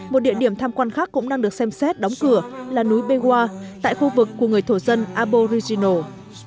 một địa điểm tham quan khác cũng đang được xem xét đóng cửa là núi bewa tại khu vực của người thổ dân aboriginal